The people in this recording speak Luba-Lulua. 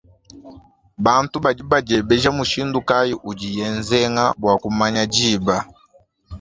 Bantu badi badiebeja mushindu kay udiye zenga bwa kumanya diba?